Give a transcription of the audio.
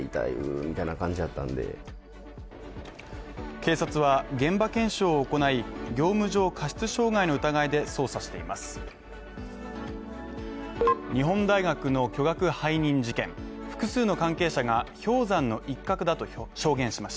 警察は現場検証を行い、業務上過失傷害の疑いで捜査しています。